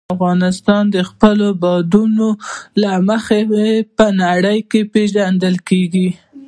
افغانستان د خپلو بادامو له مخې په نړۍ کې پېژندل کېږي.